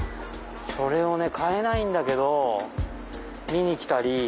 それを買えないけど見に来たり。